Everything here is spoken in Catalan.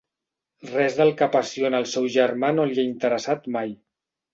Res del que apassiona el seu germà no li ha interessat mai.